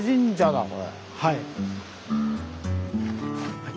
はい。